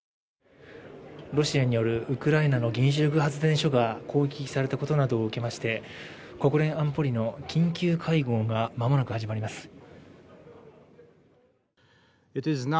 ロシアによるウクライナの原子力発電所が攻撃されたことなどを受けまして、国連安保理の緊急会合が間もなく始まります。